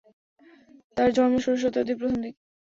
তাঁর জন্ম ষোড়শ শতাব্দীর প্রথম দিকে।